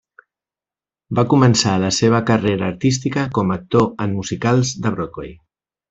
Va començar la seua carrera artística com a actor en musicals de Broadway.